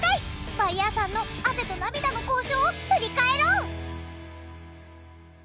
バイヤーさんの汗と涙の交渉を振り返ろう。